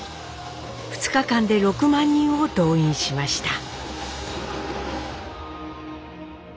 ２日間で６万人を動員しました。